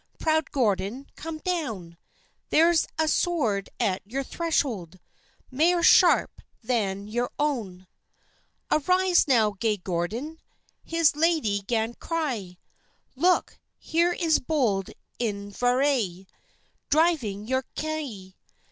Proud Gordon, come down, There's a sword at your threshold Mair sharp than your own." "Arise now, gay Gordon," His lady 'gan cry, "Look, here is bold Inveraye Driving your kye."